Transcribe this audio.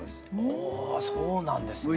おそうなんですね。